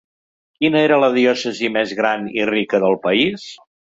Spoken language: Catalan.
Quina era la diòcesi més gran i rica del país?